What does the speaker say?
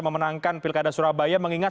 memenangkan pilkada surabaya mengingat